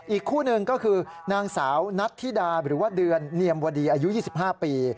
อีกคู่หนึ่งก็คือนางสาวนัทธิดาหรือว่าเดือนเนียมวดีอายุ๒๕ปี